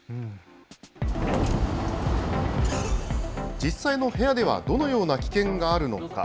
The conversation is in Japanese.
実際の部屋ではどのような危険があるのか。